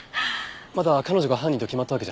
まだ彼女が犯人と決まったわけじゃ。